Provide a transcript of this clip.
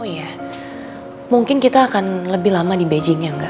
oh iya mungkin kita akan lebih lama di beijing ya enggak